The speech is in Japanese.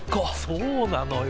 そうなのよ。